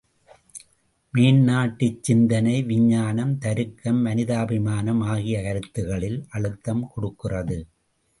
மேநாட்டுச் சிந்தனை விஞ்ஞானம், தருக்கம், மனிதாபிமானம் ஆகிய கருத்துக்களில் அழுத்தம் கொடுக்கிறது.